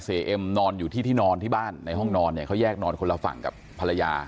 เอ็มนอนอยู่ที่ที่นอนที่บ้านในห้องนอนเนี่ยเขาแยกนอนคนละฝั่งกับภรรยา